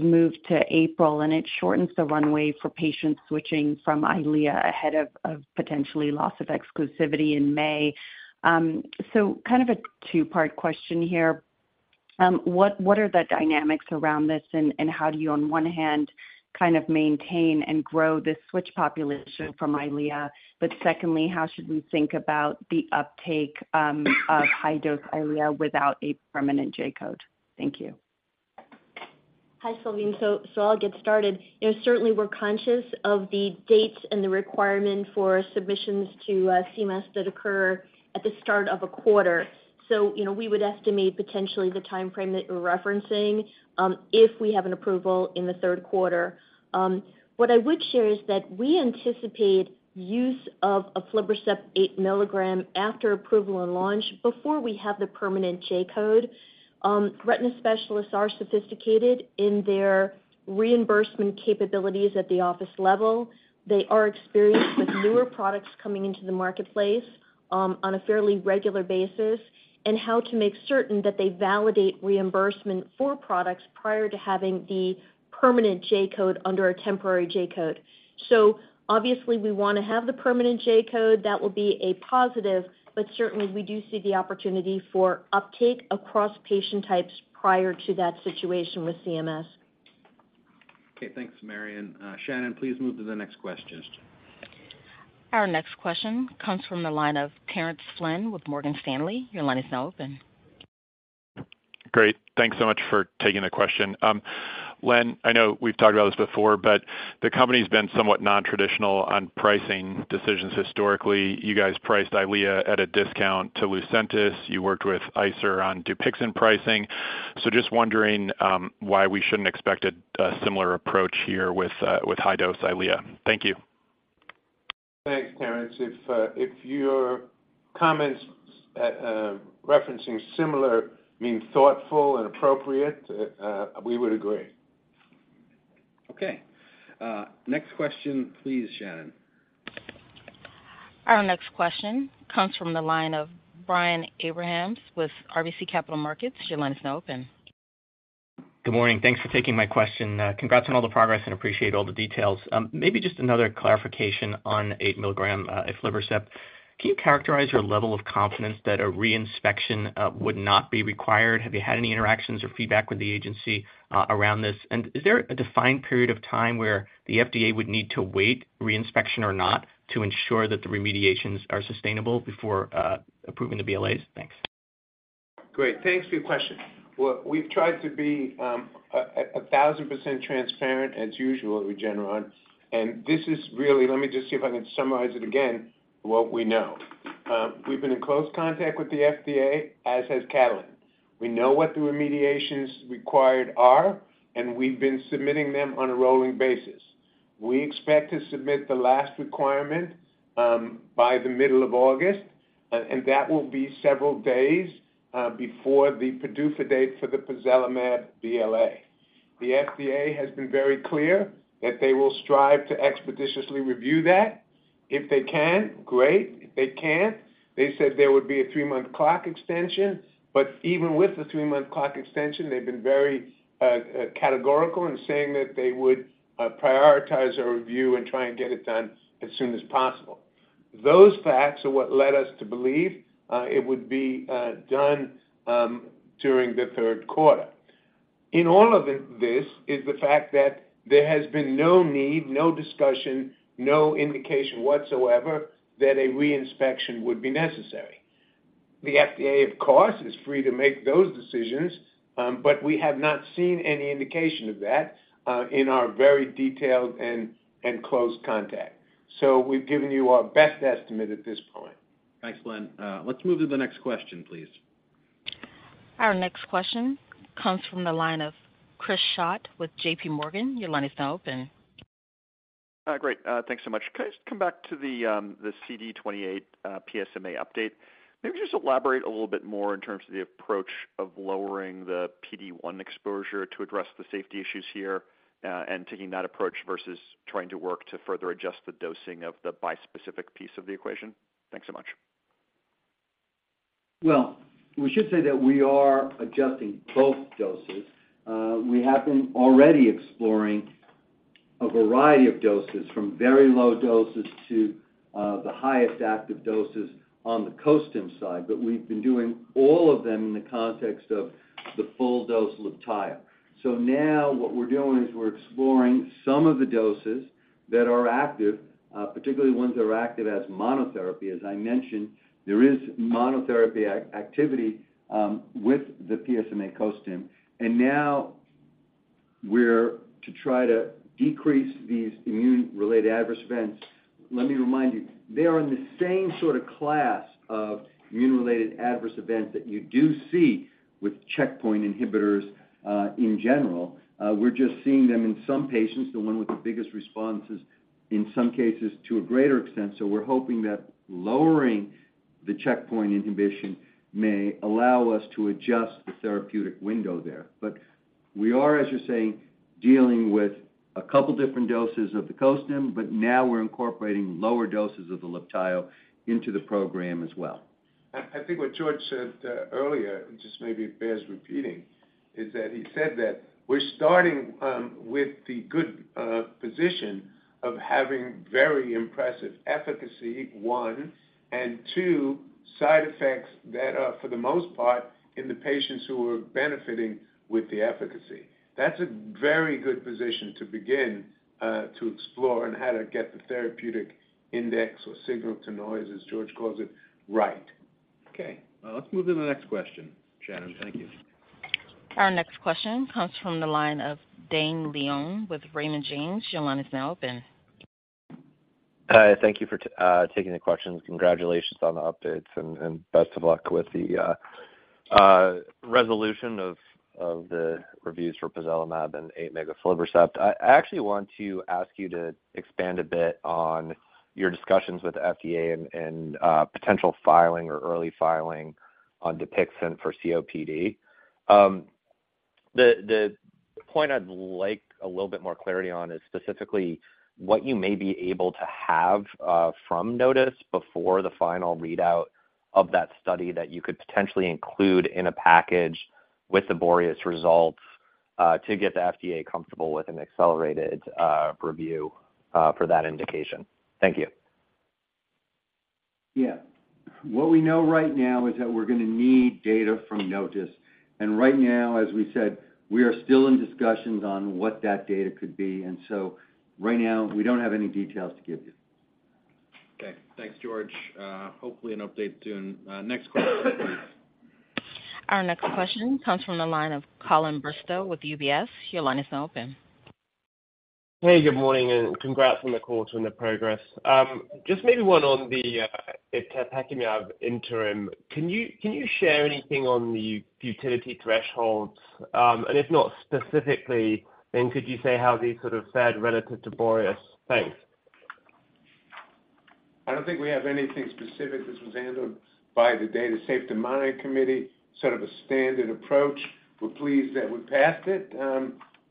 moved to April, and it shortens the runway for patients switching from EYLEA ahead of potentially loss of exclusivity in May. Kind of a 2-part question here. What are the dynamics around this, and how do you, on one hand, kind of maintain and grow this switch population from EYLEA? Secondly, how should we think about the uptake of high-dose EYLEA without a permanent J-code? Thank you. Hi, Salveen. I'll get started. You know, certainly we're conscious of the dates and the requirement for submissions to CMS that occur at the start of a quarter. You know, we would estimate potentially the time frame that you're referencing, if we have an approval in the third quarter. What I would share is that we anticipate use of aflibercept 8 milligrams after approval and launch before we have the permanent J-code. Retina specialists are sophisticated in their reimbursement capabilities at the office level. They are experienced with newer products coming into the marketplace, on a fairly regular basis, and how to make certain that they validate reimbursement for products prior to having the permanent J-code under a temporary J-code. Obviously, we wanna have the permanent J-code. That will be a positive, but certainly, we do see the opportunity for uptake across patient types prior to that situation with CMS. Okay, thanks, Marion. Shannon, please move to the next question. Our next question comes from the line of Terence Flynn with Morgan Stanley. Your line is now open. Great. Thanks so much for taking the question. Len, I know we've talked about this before, but the company's been somewhat nontraditional on pricing decisions historically. You guys priced EYLEA at a discount to Lucentis. You worked with ICER on Dupixent pricing. Just wondering why we shouldn't expect a similar approach here with high-dose EYLEA? Thank you. Thanks, Terence. If, if your comments, referencing similar mean thoughtful and appropriate, we would agree. Okay. next question, please, Shannon. Our next question comes from the line of Brian Abrahams with RBC Capital Markets. Your line is now open. Good morning. Thanks for taking my question. Congrats on all the progress and appreciate all the details. Maybe just another clarification on 8 milligram aflibercept. Can you characterize your level of confidence that a reinspection would not be required? Have you had any interactions or feedback with the agency around this? Is there a defined period of time where the FDA would need to wait reinspection or not, to ensure that the remediations are sustainable before approving the BLAs? Thanks. Great. Thanks for your question. Well, we've tried to be a 1,000% transparent as usual at Regeneron, and this is really... let me just see if I can summarize it again, what we know. We've been in close contact with the FDA, as has Catalent. We know what the remediations required are, and we've been submitting them on a rolling basis. We expect to submit the last requirement by the middle of August, and that will be several days before the PDUFA date for the pozelimab BLA. The FDA has been very clear that they will strive to expeditiously review that. If they can, great. If they can't, they said there would be a three-month clock extension. Even with the three-month clock extension, they've been very categorical in saying that they would prioritize a review and try and get it done as soon as possible. Those facts are what led us to believe it would be done during the third quarter. In all of this is the fact that there has been no need, no discussion, no indication whatsoever that a re-inspection would be necessary. The FDA, of course, is free to make those decisions, but we have not seen any indication of that in our very detailed and close contact. We've given you our best estimate at this point. Thanks, Len. Let's move to the next question, please. Our next question comes from the line of Chris Schott with J.P. Morgan. Your line is now open. Great, thanks so much. Can I just come back to the CD28, PSMA update? Maybe just elaborate a little bit more in terms of the approach of lowering the PD-1 exposure to address the safety issues here, and taking that approach versus trying to work to further adjust the dosing of the bispecific piece of the equation. Thanks so much. Well, we should say that we are adjusting both doses. We have been already exploring a variety of doses, from very low doses to the highest active doses on the co-stim side, but we've been doing all of them in the context of the full dose Libtayo. Now what we're doing is we're exploring some of the doses that are active, particularly ones that are active as monotherapy. As I mentioned, there is monotherapy activity with the PSMA co-stim, now we're to try to decrease these immune-related adverse events. Let me remind you, they are in the same sort of class of immune-related adverse events that you do see with checkpoint inhibitors, in general. We're just seeing them in some patients, the one with the biggest responses, in some cases, to a greater extent. We're hoping that lowering the checkpoint inhibition may allow us to adjust the therapeutic window there. We are, as you're saying, dealing with a couple different doses of the co-stim, but now we're incorporating lower doses of the Libtayo into the program as well. I, I think what George said earlier, and just maybe it bears repeating, is that he said that we're starting with the good position of having very impressive efficacy, one, and two, side effects that are, for the most part, in the patients who are benefiting with the efficacy. That's a very good position to begin to explore on how to get the therapeutic index or signal-to-noise, as George calls it, right. Okay. Let's move to the next question, Shannon. Thank you. Our next question comes from the line of Dane Leone with Raymond James. Your line is now open. Hi, thank you for taking the questions. Congratulations on the updates, and best of luck with the resolution of the reviews for pozelimab and aflibercept 8 milligrams. I actually want to ask you to expand a bit on your discussions with the FDA and potential filing or early filing on Dupixent for COPD. The point I'd like a little bit more clarity on is specifically what you may be able to have from NOTUS before the final readout of that study that you could potentially include in a package with the BOREAS results to get the FDA comfortable with an accelerated review for that indication. Thank you. Yeah. What we know right now is that we're gonna need data from NOTUS, and right now, as we said, we are still in discussions on what that data could be, and so right now, we don't have any details to give you. Okay. Thanks, George. Hopefully, an update soon. Next question, please. Our next question comes from the line of Colin Bristow with UBS. Your line is now open. Hey, good morning, and congrats on the quarter and the progress. Just maybe one on the itepekimab interim. Can you, can you share anything on the futility thresholds? If not specifically, then could you say how these sort of fared relative to BOREAS? Thanks. I don't think we have anything specific. This was handled by the Data Safety Monitoring Committee, sort of a standard approach. We're pleased that we passed it,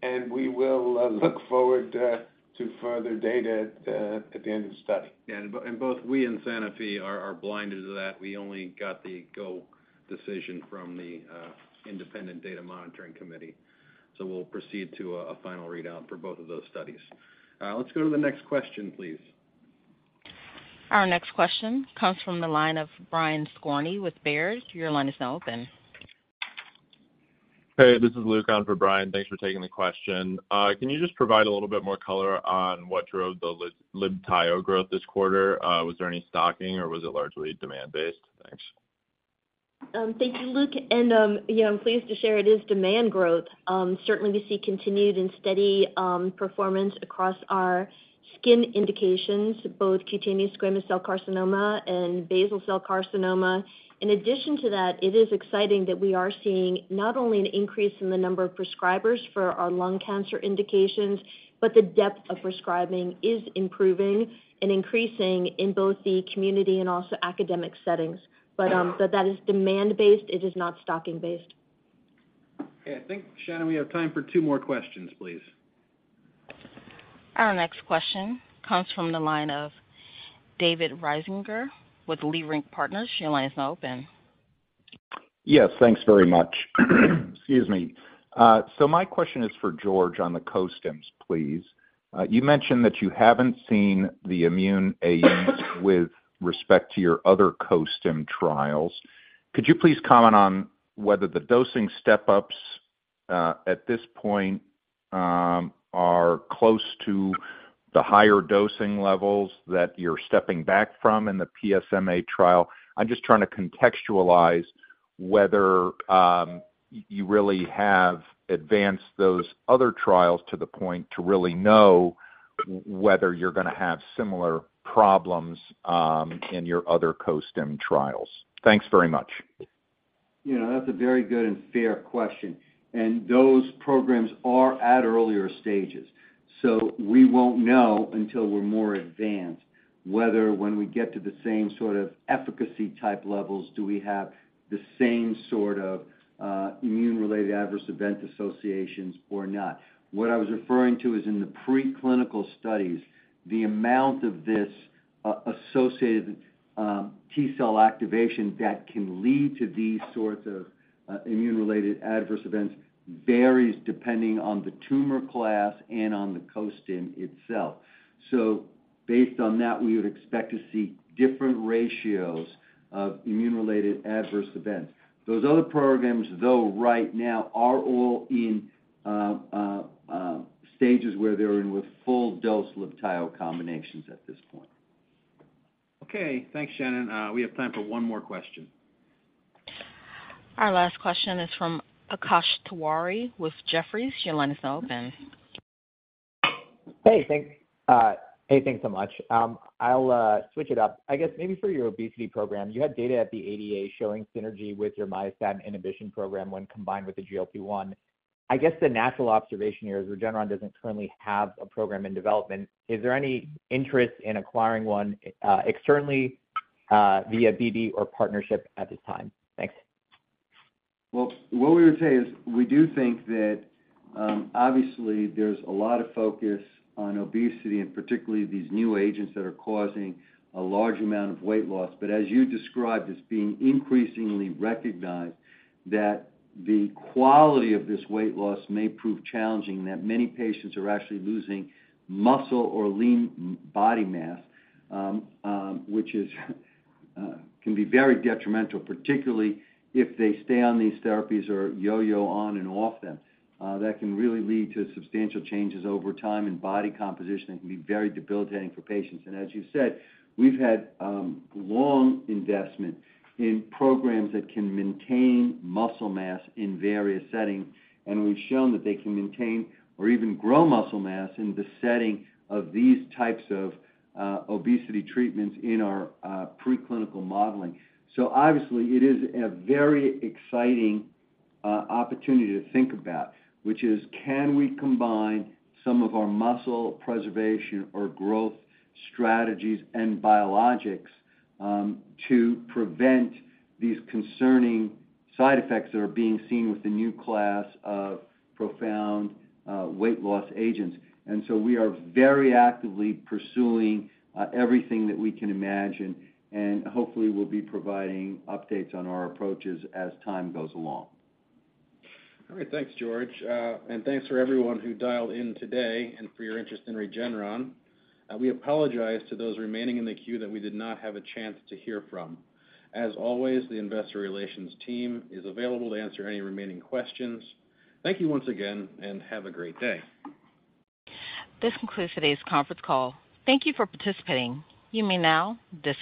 and we will look forward to further data at the end of the study. Yeah, both we and Sanofi are, are blinded to that. We only got the go decision from the independent Data Monitoring Committee. We'll proceed to a, a final readout for both of those studies. Let's go to the next question, please. Our next question comes from the line of Brian Skorney with Baird. Your line is now open. Hey, this is Luke on for Brian. Thanks for taking the question. Can you just provide a little bit more color on what drove the Libtayo growth this quarter? Was there any stocking, or was it largely demand-based? Thanks. Thank you, Luke, and, yeah, I'm pleased to share it is demand growth. Certainly, we see continued and steady performance across our skin indications, both cutaneous squamous cell carcinoma and basal cell carcinoma. In addition to that, it is exciting that we are seeing not only an increase in the number of prescribers for our lung cancer indications, but the depth of prescribing is improving and increasing in both the community and also academic settings. That is demand-based. It is not stocking-based. Okay. I think, Shannon, we have time for 2 more questions, please. Our next question comes from the line of David Risinger with Leerink Partners. Your line is now open. Yes, thanks very much. Excuse me. My question is for George on the co-stims, please. You mentioned that you haven't seen the immune AE with respect to your other co-stim trials. Could you please comment on whether the dosing step-ups, at this point, are close to the higher dosing levels that you're stepping back from in the PSMA trial? I'm just trying to contextualize whether you really have advanced those other trials to the point to really know whether you're gonna have similar problems in your other co-stim trials. Thanks very much. You know, that's a very good and fair question, and those programs are at earlier stages. We won't know until we're more advanced, whether when we get to the same sort of efficacy type levels, do we have the same sort of immune-related adverse event associations or not? What I was referring to is in the preclinical studies, the amount of this associated T-cell activation that can lead to these sorts of immune-related adverse events, varies depending on the tumor class and on the co-stim itself. Based on that, we would expect to see different ratios of immune-related adverse events. Those other programs, though, right now, are all in stages where they're in with full dose Libtayo combinations at this point. Okay, thanks, Shannon. We have time for one more question. Our last question is from Akash Tewari with Jefferies. Your line is now open. Hey, thanks so much. I'll switch it up. I guess, maybe for your obesity program, you had data at the ADA showing synergy with your myostatin inhibition program when combined with the GLP-1. I guess the natural observation here is Regeneron doesn't currently have a program in development. Is there any interest in acquiring one externally via BD or partnership at this time? Thanks. Well, what we would say is, we do think that, obviously there's a lot of focus on obesity, and particularly these new agents that are causing a large amount of weight loss. As you described, it's being increasingly recognized that the quality of this weight loss may prove challenging, that many patients are actually losing muscle or lean body mass, which is, can be very detrimental, particularly if they stay on these therapies or yo-yo on and off them. That can really lead to substantial changes over time in body composition, and can be very debilitating for patients. As you said, we've had long investment in programs that can maintain muscle mass in various settings, and we've shown that they can maintain or even grow muscle mass in the setting of these types of obesity treatments in our preclinical modeling. Obviously, it is a very exciting opportunity to think about, which is, can we combine some of our muscle preservation or growth strategies and biologics to prevent these concerning side effects that are being seen with the new class of profound weight loss agents? We are very actively pursuing everything that we can imagine, and hopefully, we'll be providing updates on our approaches as time goes along. All right, thanks, George. Thanks for everyone who dialed in today and for your interest in Regeneron. We apologize to those remaining in the queue that we did not have a chance to hear from. As always, the investor relations team is available to answer any remaining questions. Thank you once again, and have a great day. This concludes today's conference call. Thank you for participating. You may now disconnect.